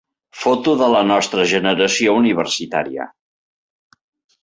Foto de la nostra generació universitària.